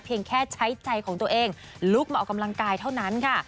แค่ใช้ใจของตัวเองลุกมาออกกำลังกายเท่านั้นค่ะ